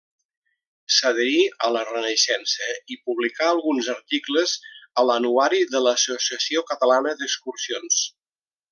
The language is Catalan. S'adherí a la Renaixença i publicà alguns articles a l'Anuari de l'Associació Catalana d'Excursions.